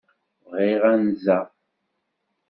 Bɣiɣ anza.